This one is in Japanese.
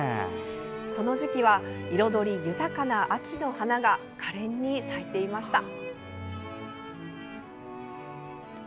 この時期は彩り豊かな秋の花がかれんに咲いていました。